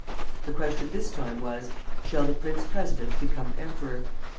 The question this time was: Shall the prince president become emperor?